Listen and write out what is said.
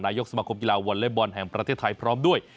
ยกสมาคมกีฬาวอเล็กบอลแห่งประเทศไทยพร้อมด้วย